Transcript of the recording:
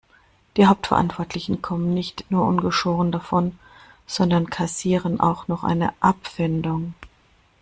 Die Hauptverantwortlichen kommen nicht nur ungeschoren davon, sondern kassieren auch noch eine Abfindung.